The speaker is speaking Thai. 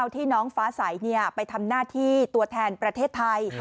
ที่น้องฟ้าใสไปทำหน้าที่ตัวแทนประเทศไทย